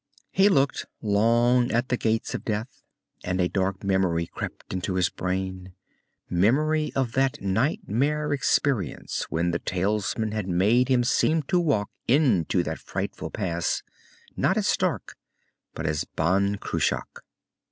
He looked long at the Gates of Death, and a dark memory crept into his brain. Memory of that nightmare experience when the talisman had made him seem to walk into that frightful pass, not as Stark, but as Ban Cruach.